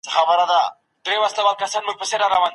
لس عددونه دي.